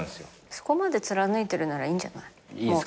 そこまで貫いてるならいいんじゃない？